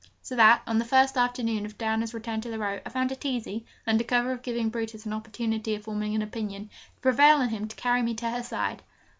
So that, on the first afternoon of Diana's return to the Row, I found it easy, under cover of giving Brutus an opportunity of forming an opinion, to prevail on him to carry me to her side.